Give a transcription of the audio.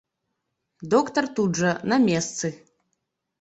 Доктар тут жа, на месцы.